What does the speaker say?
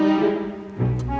terima kasih mbak